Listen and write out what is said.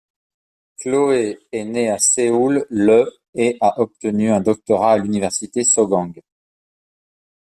Choe est née à Séoul le et a obtenu un doctorat à l'université Sogang.